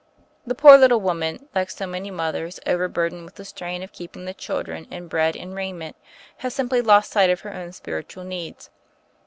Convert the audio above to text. The poor little woman, like so many mothers over burdened with the strain of keeping the chil dren in bread and raiment, had simply lost sight of her own spiritual needs.